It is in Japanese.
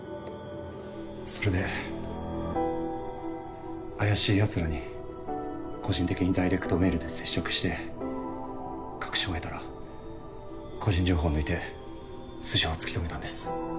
それで怪しいヤツらに個人的にダイレクトメールで接触して確証を得たら個人情報抜いて素性を突き止めたんです。